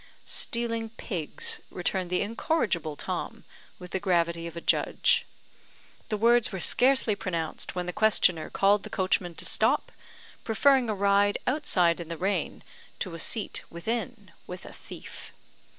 "Stealing pigs," returned the incorrigible Tom, with the gravity of a judge. The words were scarcely pronounced when the questioner called the coachman to stop, preferring a ride outside in the rain to a seat within with a thief.